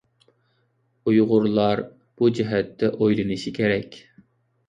ئۇيغۇرلار بۇ جەھەتتە ئويلىنىشى كېرەك.